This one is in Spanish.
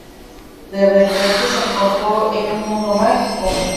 De repente se encontró en un mundo mágico.